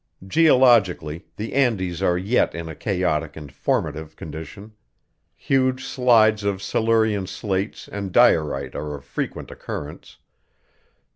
Geologically the Andes are yet in a chaotic and formative condition; huge slides of Silurian slates and diorite are of frequent occurrence.